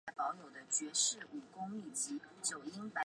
同时也与模王主持人欧汉声获得最佳合作拍档奖的殊荣。